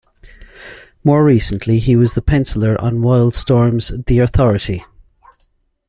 More recently he was the penciller on Wildstorm's "The Authority".